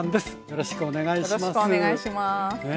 よろしくお願いします。